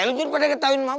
eh lu kan pada ketahuin mak